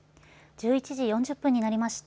１１時４０分になりました。